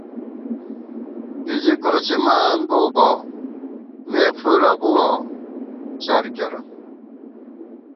کی زی کوڅِمان بُوؤ بہ ، مے فُرہ بُوَہ څر کېرہ